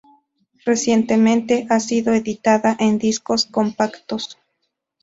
Recientemente ha sido editada en discos compactos.